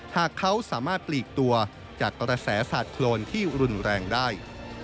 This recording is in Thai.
หากเขาสามารถปลีกตัวจากกระแสสาดโครนที่รุนแรงได้